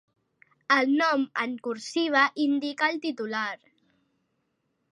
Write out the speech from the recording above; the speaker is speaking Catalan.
"El nom en cursiva" indica el titular.